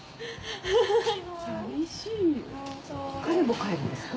寂しい彼も帰るんですか？